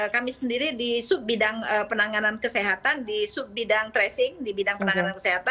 kami sendiri di sub bidang penanganan kesehatan di sub bidang tracing di bidang penanganan kesehatan